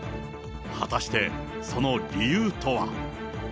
果たしてその理由とは。